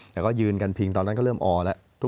แต่ก็ยืนกันพิงตอนนั้นก็เริ่มออแล้ว